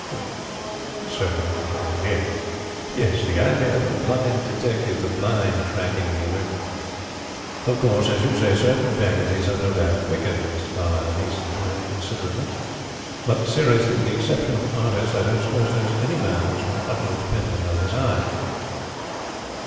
"Well, certainly, the idea " "Yes, the idea of a blind detective the blind tracking the alert " "Of course, as you say, certain facilities are no doubt quickened," Mr. Carlyle hastened to add considerately, "but, seriously, with the exception of an artist, I don't suppose there is any man who is more utterly dependent on his eyes."